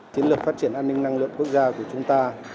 chiến lược phát triển an ninh năng lượng quốc gia của chúng ta